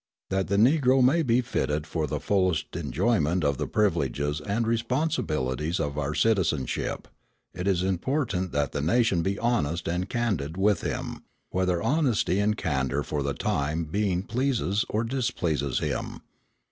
That the Negro may be fitted for the fullest enjoyment of the privileges and responsibilities of our citizenship, it is important that the nation be honest and candid with him, whether honesty and candour for the time being pleases or displeases him.